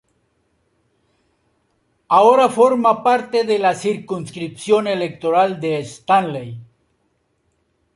Ahora forma parte de la circunscripción electoral de Stanley.